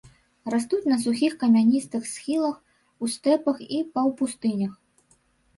Растуць на сухіх камяністых схілах, у стэпах і паўпустынях.